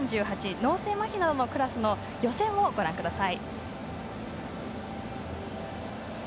脳性まひなどのクラスの予選をご覧ください。